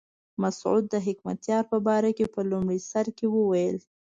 مسعود د حکمتیار په باره کې په لومړي سر کې وویل.